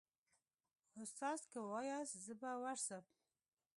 استاده که واياست زه به ورسم.